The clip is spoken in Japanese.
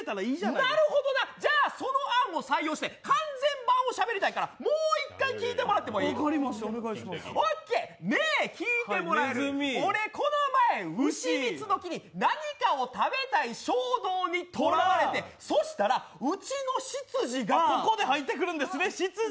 なるほどな、その案を採用して完全版をしゃべりたいからもう１回聞いてもらってもいい？ねー聞いてもらえる、俺、この前丑三つ時に何かを食べたい衝動にとらわれて、そしたらうちのシツジがここで入ってくるんですねシツジ！